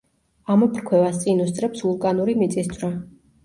ამოფრქვევას წინ უსწრებს ვულკანური მიწისძვრა.